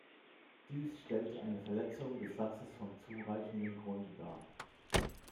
Dies stellt eine Verletzung des Satzes vom zureichenden Grunde dar.